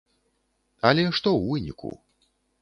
Але што ў выніку?